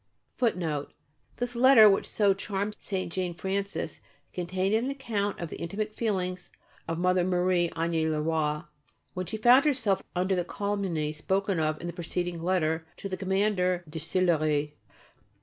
FOOTNOTE: [A] This letter, which so charmed St. Jane Frances, contained an account of the intimate feelings of Mother Marie Agnes Le Roy, when she found herself under the calumny spoken of in the preceding letter to the Commander de Sillery.